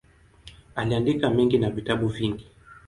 Aliandika mengi na vitabu vingi.